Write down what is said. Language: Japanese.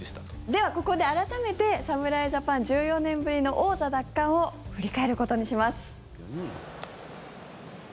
ではここで改めて侍ジャパン１４年ぶりの王座奪還を振り返ることにします。